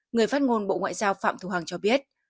người phát ngôn bộ ngoại giao phạm thu hằng cho biết